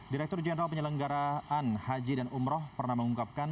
direktur jenderal penyelenggaraan haji dan umroh pernah mengungkapkan